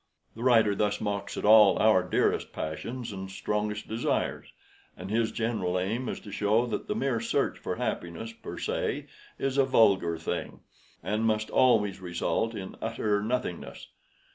The writer thus mocks at all our dearest passions and strongest desires; and his general aim is to show that the mere search for happiness per se is a vulgar thing, and must always result in utter nothingness.